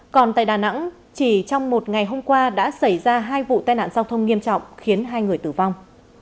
còn tại đà nẵng chỉ trong một ngày hôm qua đã xảy ra hai vụ tai nạn giao thông nghiêm trọng khiến hai người tử vong